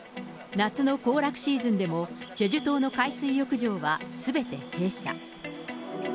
夏の行楽シーズンでもチェジュ島の海水浴場はすべて閉鎖。